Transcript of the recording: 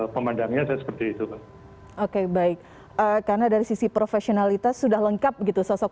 pemandangnya saya seperti itu oke baik karena dari sisi profesionalitas sudah lengkap gitu sosok